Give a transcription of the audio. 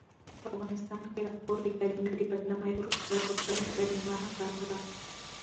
په افغانستان کښي راپور له کلمې د بدنامي وروسته راپورتاژ کلیمه راغله.